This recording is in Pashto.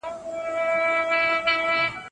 شیانو ته پام کول اړین دي.